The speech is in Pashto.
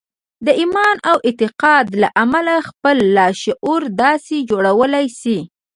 د ايمان او اعتقاد له امله خپل لاشعور داسې جوړولای شئ.